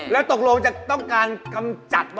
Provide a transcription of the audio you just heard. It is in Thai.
แล้วตกลงจะต้องการกำจัดป่